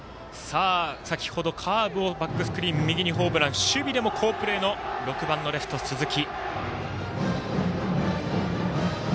先ほどカーブをバックスクリーン右にホームラン守備でも好プレーの６番のレフト、鈴木。